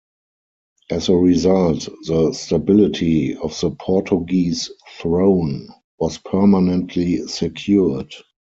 As a result, the stability of the Portuguese throne was permanently secured.